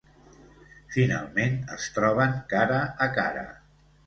Finalment es troben cara a cara.